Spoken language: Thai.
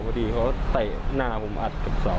ปกติเขาแต่หน้าผมอัดกับเศร้า